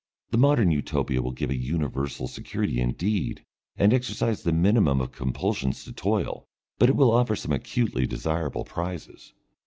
The modern Utopia will give a universal security indeed, and exercise the minimum of compulsions to toil, but it will offer some acutely desirable prizes.